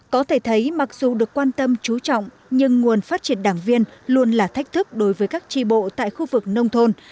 có thể thấy mặc dù được quan tâm trú trọng nhưng nguồn phát triển đảng viên luôn là thách thức đối với các tri bộ tại khu vực nông thôn